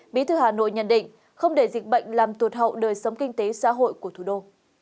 bí thư hà nội nhận định không để dịch bệnh làm tuột hậu đời sống kinh tế xã hội của thủ đô